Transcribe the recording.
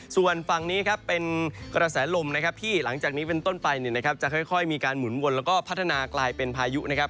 ส่วนฝั่งนี้ครับเป็นกระแสลมนะครับที่หลังจากนี้เป็นต้นไปเนี่ยนะครับจะค่อยมีการหมุนวนแล้วก็พัฒนากลายเป็นพายุนะครับ